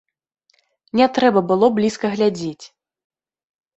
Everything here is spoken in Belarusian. Не трэба было блізка глядзець.